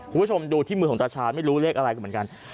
คุณผู้ชมดูที่มือของตาชาญไม่รู้เลขอะไรก็เหมือนกัน